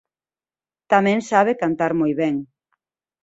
Tamén sabe cantar moi ben.